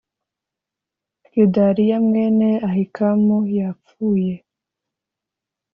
gedaliya mwene ahikamu yapfuye.